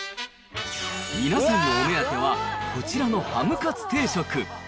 皆さんのお目当ては、こちらのハムカツ定食。